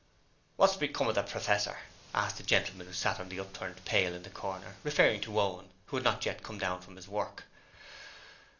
'Wot's become of the Professor?' asked the gentleman who sat on the upturned pail in the corner, referring to Owen, who had not yet come down from his work.